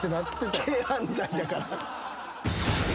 軽犯罪だから。